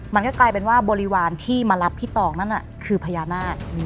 มันก็กลายเป็นว่าบริวารที่มารับพี่ตองนั่นน่ะคือพญานาค